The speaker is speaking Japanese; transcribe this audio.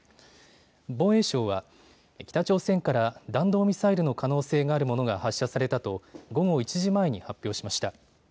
防衛省は北朝鮮から弾道ミサイルの可能性があるものが発射されたと午後１時前に発表しました。